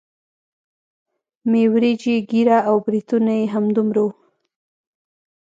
مۍ وريجې ږيره او برېتونه يې همدومره وو.